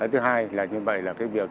thứ hai là việc làm nhà làm cửa của nhân dân